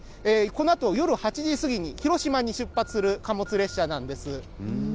このあと夜８時過ぎに、広島に出発する貨物列車なんです。